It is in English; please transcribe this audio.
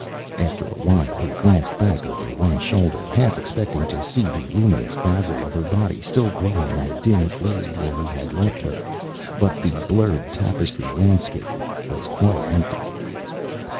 After a while he glanced back over one shoulder, half expecting to see the luminous dazzle of her body still glowing in the dim glade where he had left her; but the blurred tapestry landscape was quite empty.